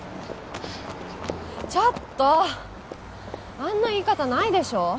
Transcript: ちょっとあんな言い方ないでしょ？